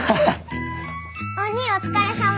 おにぃお疲れさま。